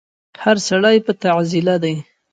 هر سړی په تعضيله دی